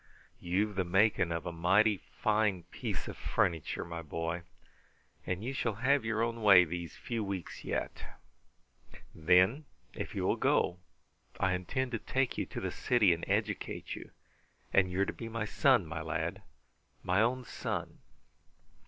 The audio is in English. You've the making of a mighty fine piece of furniture, my boy, and you shall have your own way these few weeks yet. Then, if you will go, I intend to take you to the city and educate you, and you are to be my son, my lad my own son!"